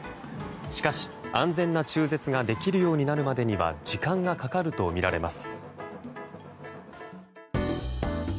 しかし、安全な中絶ができるようになるまでには時間がかかるとみられます。